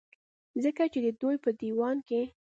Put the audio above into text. ځکه چې د دوي پۀ ديوان کې